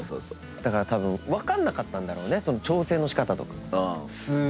だから分かんなかったんだろうね調整の仕方とか。